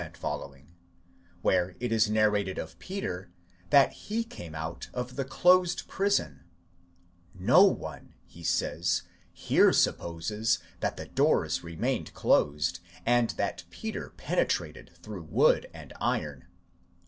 6 ff, where it is narrated of Peter, that he came out of the closed prison ; no one, he says, here supposes that the doors remained closed, and that Peter pene trated through wood and iron.